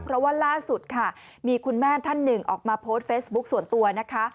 เพราะว่าล่าสุดค่ะมีคุณแม่ท่านหนึ่งออกมาโพสต์เฟซบุ๊คส่วนตัวนะคะ